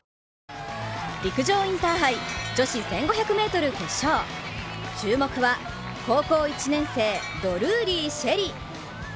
陸上インターハイ女子１５００ｍ決勝注目は、高校１年生、ドルーリー朱瑛里。